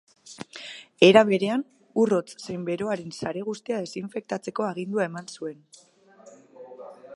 Era berean, ur hotz zein beroaren sare guztia desinfektatzeko agindua eman zuten.